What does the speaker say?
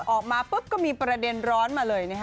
ออกมาปุ๊บก็มีประเด็นร้อนมาเลยนะฮะ